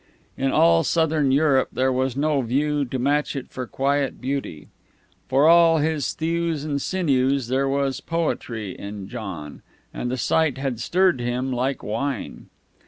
In all Southern Europe there was no view to match it for quiet beauty. For all his thews and sinews there was poetry in John, and the sight had stirred him like wine.